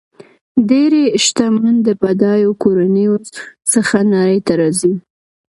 ډېری شتمن د بډایو کورنیو څخه نړۍ ته راځي.